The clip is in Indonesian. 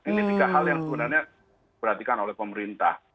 ini tiga hal yang sebenarnya diperhatikan oleh pemerintah